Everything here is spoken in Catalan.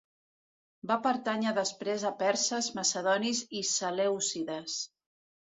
Va pertànyer després a perses, macedonis i selèucides.